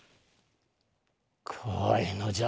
怖いのじゃ。